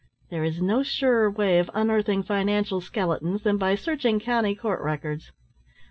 There is no surer way of unearthing financial skeletons than by searching County Court records.